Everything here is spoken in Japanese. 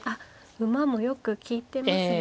馬もよく利いてますね。